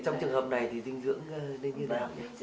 trong trường hợp này thì dinh dưỡng nên như thế nào